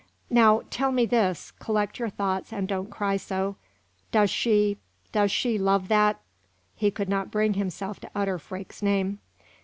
"Now, tell me this collect your thoughts and don't cry so does she does she love that " He could not bring himself to utter Freke's name.